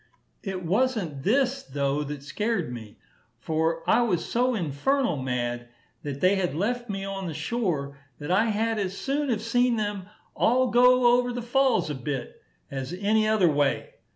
It was'ent this, though, that scared me; for I was so infernal mad that they had left me on the shore, that I had as soon have seen them all go over the falls a bit, as any other way.